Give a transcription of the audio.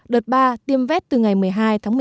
đợt ba tiêm vét từ ngày một mươi hai tháng một mươi hai năm